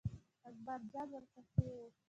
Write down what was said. اکبر جان ور پسې و.